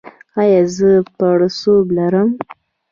ایا زه پړسوب لرم؟